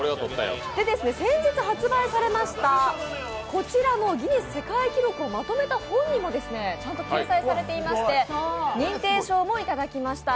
先日発売されましたこちらのギネス世界記録をまとめた本にもちゃんと掲載されていまして、認定証もいただきました。